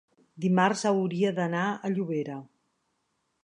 dimarts hauria d'anar a Llobera.